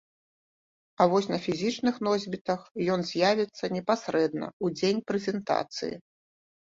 А вось на фізічных носьбітах ён з'явіцца непасрэдна ў дзень прэзентацыі.